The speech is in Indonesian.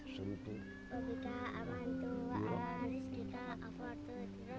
wa bika aman tuhan rizq kita aflatut